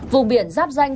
vùng biển giáp danh